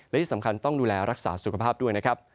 และที่สำคัญต้องดูแลรักษาสุขภาพด้วยนะครับ